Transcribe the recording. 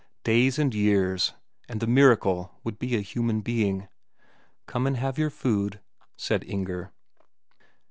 Days and years, and the miracle would be a human being. "Come and have your food," said Inger....